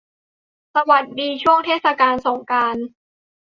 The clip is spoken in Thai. สวัสดีช่วงเทศกาลสงกรานต์